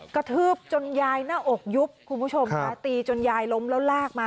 กระทืบจนยายหน้าอกยุบคุณผู้ชมค่ะตีจนยายล้มแล้วลากมา